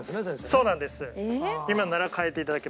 そうなんです。